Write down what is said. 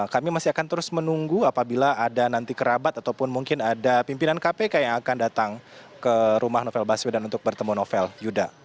kami masih akan terus menunggu apabila ada nanti kerabat ataupun mungkin ada pimpinan kpk yang akan datang ke rumah novel baswedan untuk bertemu novel yuda